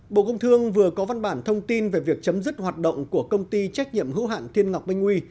bộ công thương vừa có văn bản thông tin về việc chấm dứt hoạt động của công ty trách nhiệm hữu hạn thiên ngọc minh huy